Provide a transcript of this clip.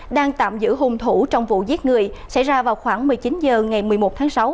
đang tạm giữ hung thủ trong vụ giết người xảy ra vào khoảng một mươi chín h ngày một mươi một tháng sáu